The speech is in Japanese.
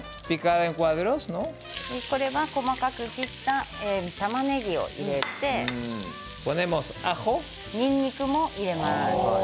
これは細かく切ったたまねぎを入れて、にんにくも入れます。